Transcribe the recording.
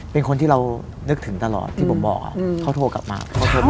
เป็นคนที่เรานึกถึงตลอดที่ผมบอกเขาโทรกลับมา